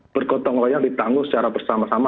bergotong goyang ditangguh secara bersama sama